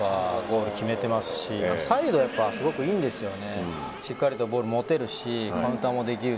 ゴール決めてますしサイド、すごくいいんですよね。